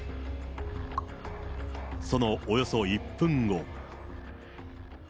そのおよそ１分後。